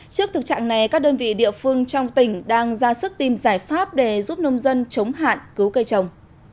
trước thực trạng này các đơn vị địa phương trong tỉnh đang ra sức tìm giải pháp để giúp nông dân chống hạn cứu cây trồng